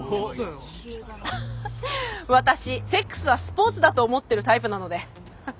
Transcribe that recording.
私セックスはスポーツだと思ってるタイプなので。